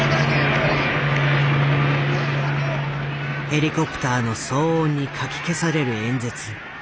ヘリコプターの騒音にかき消される演説。